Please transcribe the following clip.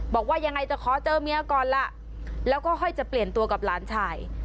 บอกว่ายังไงจะขอเจอเมียก่อนล่ะแล้วก็ค่อยจะเปลี่ยนตัวกับหลานชาย